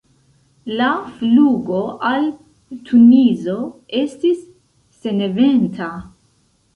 La flugo al Tunizo estis seneventa.